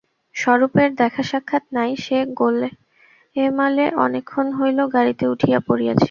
স্বরূপের দেখাসাক্ষাৎ নাই, সে গোলেমালে অনেক ক্ষণ হইল গাড়িতে উঠিয়া পড়িয়াছে।